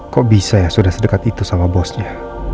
kok bisa ya sudah sedekat itu sama bosnya